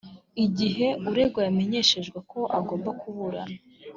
igihe uregwa yamenyeshejwe ko agomba kuburana